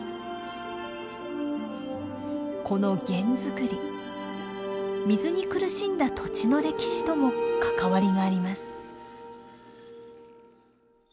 この弦作り水に苦しんだ土地の歴史とも関わりがあります。